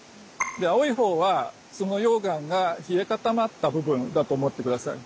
青いほうはその溶岩が冷え固まった部分だと思って下さい。